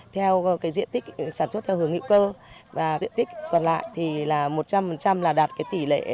theo cái diện tích sản xuất theo hướng hữu cơ và diện tích còn lại thì là một trăm linh là đạt cái tỷ lệ